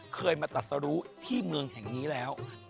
เคยมาตัดสรุที่เมืองแห่งนี้แล้ว